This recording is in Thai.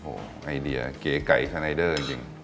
โอ้โหไอเดียเก๋ไก่ข้าวในเด้อจริง